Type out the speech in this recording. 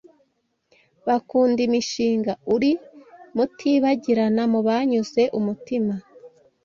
bakunda imishinga; uri mutibagirana mu banyuze umutima